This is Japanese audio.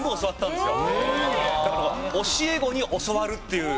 だから教え子に教わるという。